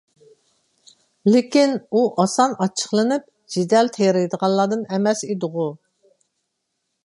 لېكىن، ئۇ ئاسان ئاچچىقلىنىپ، جېدەل تېرىيدىغانلاردىن ئەمەس ئىدىغۇ؟